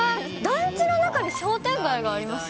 団地の中に商店街があります